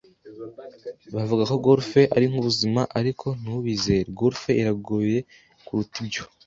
Bavuga ko golf ari nkubuzima, ariko ntubizere. Golf iragoye kuruta ibyo.